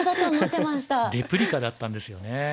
レプリカだったんですよね。